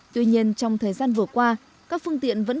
tuy nhiên trong thời gian vừa qua các phương tiện vẫn